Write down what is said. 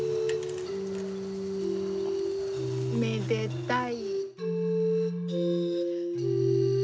めでたい。